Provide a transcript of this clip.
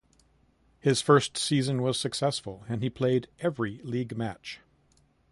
His first season was successful, and he played every league match.